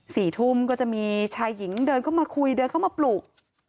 สี่ทุ่มก็จะมีชายหญิงเดินเข้ามาคุยเดินเข้ามาปลุก